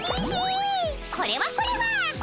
これはこれは。